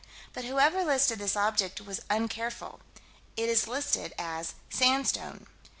But whoever listed this object was uncareful: it is listed as "sandstone."